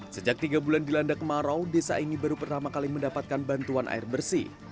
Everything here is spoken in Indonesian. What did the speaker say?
sejak tiga bulan dilanda kemarau desa ini baru pertama kali mendapatkan bantuan air bersih